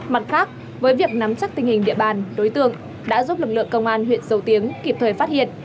mặt khác với việc nắm chắc tình hình địa bàn đối tượng đã giúp lực lượng công an huyện dầu tiếng kịp thời phát hiện